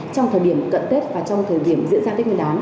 trong thời điểm cận tết và trong thời điểm diễn ra tết nguyên đán